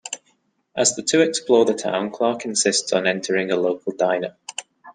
As the two explore the town, Clark insists on entering a local diner.